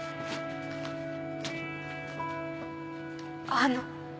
あの